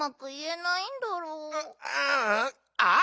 あっ！